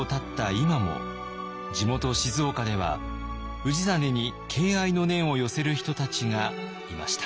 今も地元静岡では氏真に敬愛の念を寄せる人たちがいました。